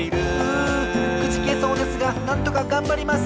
うんくじけそうですがなんとかがんばります！